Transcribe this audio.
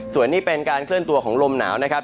ส่วนนี้เป็นการเคลื่อนตัวของลมหนาวนะครับ